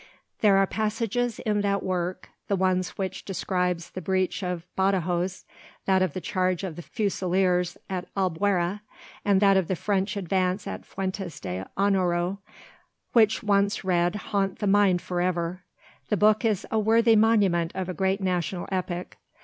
There are passages in that work—the one which describes the breach of Badajos, that of the charge of the Fusiliers at Albuera, and that of the French advance at Fuentes d'Onoro—which once read haunt the mind for ever. The book is a worthy monument of a great national epic.